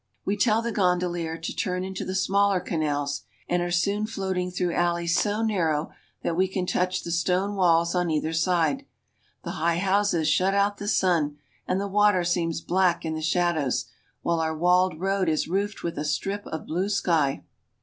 We tell the gondolier to turn into the smaller canals, and are soon floating through alleys so narrow that we can touch the stone walls on either side. The high houses shut out the sun, and the water seems black in the shadows, while our walled road is roofed with a strip of blue sky.